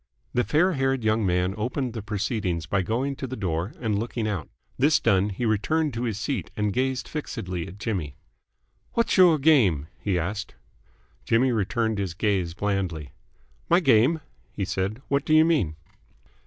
The fair haired young man opened the proceedings by going to the door and looking out. This done, he returned to his seat and gazed fixedly at Jimmy. "What's your game?" he asked. Jimmy returned his gaze blandly. "My game?" he said. "What do you mean?"